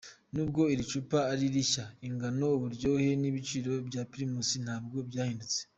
Nubwo iri cupa ari rishya, ingano, uburyohe n’igiciro bya Primus ntabwo byahindutse.